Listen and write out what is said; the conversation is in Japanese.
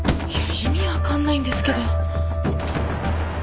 意味分かんないんですけど。